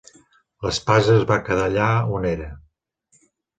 L'espasa es va quedar allà on era.